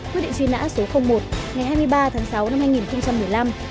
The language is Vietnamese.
quyết định truy nã số một ngày hai mươi ba tháng sáu năm hai nghìn một mươi năm